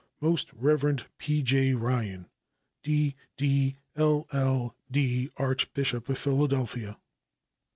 Most Rev. P. J. Ryan, D. D., LL. D., Archbishop of Philadelphia.